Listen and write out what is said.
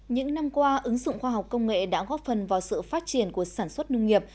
những năm qua ứng dụng khoa học công nghệ đã góp phần vào sự phát triển của sản xuất nông nghiệp